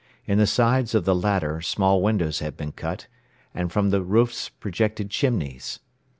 In the sides of the latter small windows had been cut, and from the roofs projected chimneys.